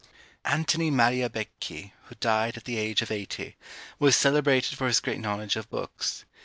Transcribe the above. Anthony Magliabechi, who died at the age of eighty, was celebrated for his great knowledge of books.